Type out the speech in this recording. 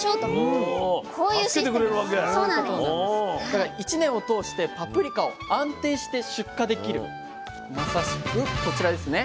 だから１年を通してパプリカを安定して出荷できるまさしくこちらですね。